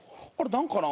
何かな？